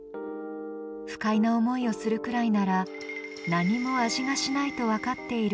不快な思いをするくらいなら何も味がしないと分かっている